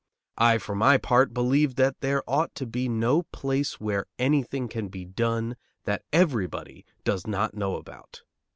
I, for my part, believe that there ought to be no place where anything can be done that everybody does not know about.